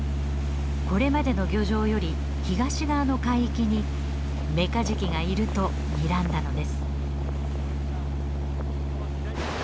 これまでの漁場より東側の海域にメカジキがいるとにらんだのです。